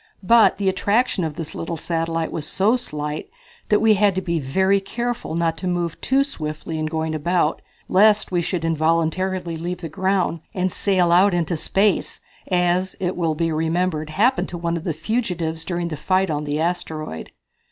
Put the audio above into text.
But the attraction of this little satellite was so slight that we had to be very careful not to move too swiftly in going about lest we should involuntarily leave the ground and sail out into space, as, it will be remembered, happened to the fugitives during the fight on the asteroid.